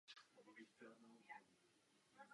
Atmosférický tlak má velký význam v meteorologii.